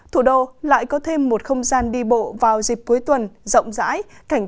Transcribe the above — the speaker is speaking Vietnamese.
thủ đô lại có thêm một nơi